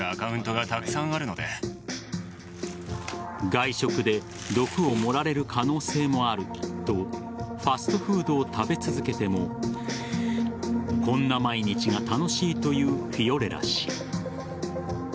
外食で毒を盛られる可能性もあるとファストフードを食べ続けてもこんな毎日が楽しいというフィオレラ氏。